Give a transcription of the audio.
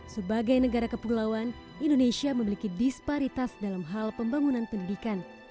sebagai negara kepulauan indonesia memiliki disparitas dalam hal pembangunan pendidikan